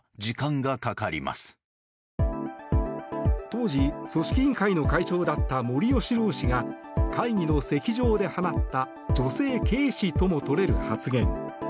当時、組織委員会の会長だった森喜朗氏が会議の席上で放った女性軽視ともとれる発言。